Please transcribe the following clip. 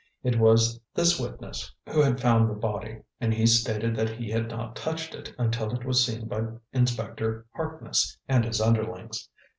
It was this witness who had found the body, and he stated that he had not touched it until it was seen by Inspector Harkness and his underlings.